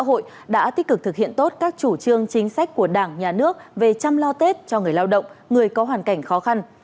với cách làm chặt chẽ nhân văn những người lao động người có hoàn cảnh khó khăn